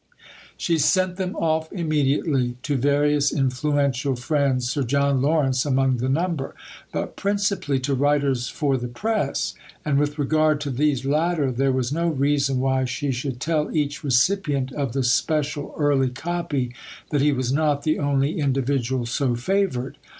She sent them off immediately; to various influential friends (Sir John Lawrence among the number), but principally to writers for the press; and with regard to these latter, there was no reason why she should tell each recipient of the special early copy that he was not the only individual so favoured.